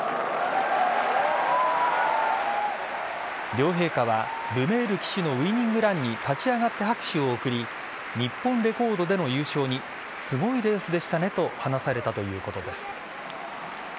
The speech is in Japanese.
両陛下はルメール騎手のウイニングランに立ち上がって拍手を送り日本レコードでの優勝にすごいレースでしたねと話されたということです。